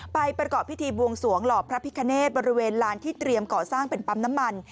ประกอบพิธีบวงสวงหล่อพระพิคเนตบริเวณลานที่เตรียมก่อสร้างเป็นปั๊มน้ำมัน